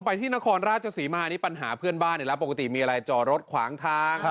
ที่นครราชศรีมานี่ปัญหาเพื่อนบ้านอีกแล้วปกติมีอะไรจอรถขวางทาง